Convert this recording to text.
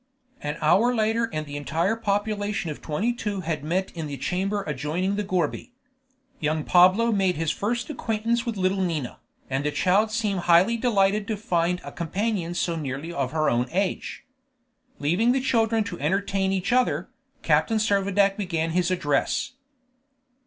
An hour later and the entire population of twenty two had met in the chamber adjoining the gourbi. Young Pablo made his first acquaintance with little Nina, and the child seemed highly delighted to find a companion so nearly of her own age. Leaving the children to entertain each other, Captain Servadac began his address.